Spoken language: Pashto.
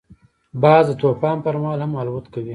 باز د طوفان پر مهال هم الوت کوي